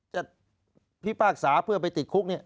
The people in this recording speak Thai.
พิพากษาเพื่อไปติดคุกเนี่ย